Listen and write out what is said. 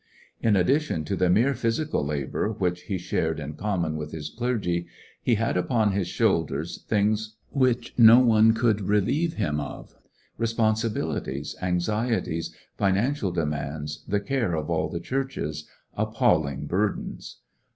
In addition to the mere physical labor which he shared in common with his clergy, he had upon his shoulders things which no one could relieve him of: responsibilities, anxieties, financial demands, the care of all the churches— appalling bur dens!